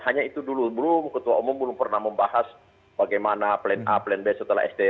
hanya itu dulu belum ketua umum belum pernah membahas bagaimana plan a plan b setelah sd